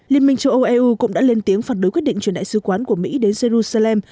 liên minh châu âu eu cũng đã lên tiếng phản đối quyết định chuyển đại sứ quán của mỹ đến jerusalem